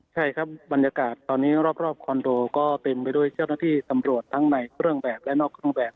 ใช่ครับบรรยากาศตอนนี้รอบคอนโดก็เต็มไปด้วยเจ้าหน้าที่ตำรวจทั้งในเครื่องแบบและนอกเครื่องแบบ